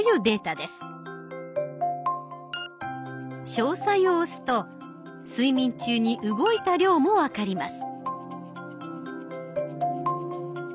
「詳細」を押すと睡眠中に動いた量も分かります。